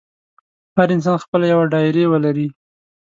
هر انسان خپله یوه ډایري ولري.